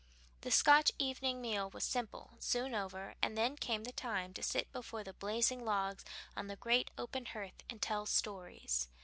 The Scotch evening meal was simple, soon over, and then came the time to sit before the blazing logs on the great open hearth and tell stories.